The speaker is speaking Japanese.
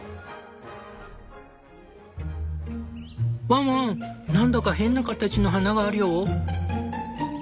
ワンワンなんだか変な形の花があるよ。